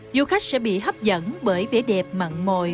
du khách sẽ bị hấp dẫn bởi vẻ đẹp mặn mồi